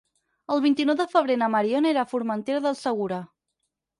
El vint-i-nou de febrer na Mariona irà a Formentera del Segura.